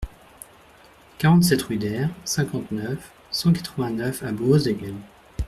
quarante-sept rue d'Aire, cinquante-neuf, cent quatre-vingt-neuf à Boëseghem